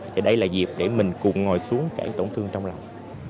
thì đây là dịp để mình cùng ngồi xuống cái tổn thương trong lòng